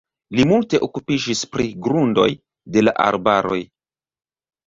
Li multe okupiĝis pri grundoj de la arbaroj.